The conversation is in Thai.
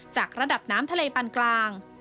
จากระดับน้ำทะเลปันกลาง